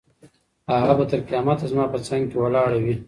هغه به تر قیامته زما په څنګ کې ولاړه وي.